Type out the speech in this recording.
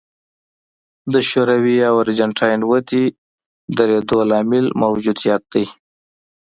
د شوروي او ارجنټاین ودې درېدو لامل موجودیت دی.